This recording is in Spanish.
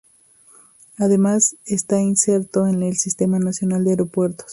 Además está inserto en el Sistema Nacional de Aeropuertos.